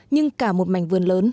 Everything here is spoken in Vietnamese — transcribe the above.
nhưng cả một mảnh vườn lớn